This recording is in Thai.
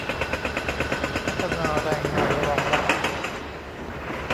พัฒนาแรงงานรองรับ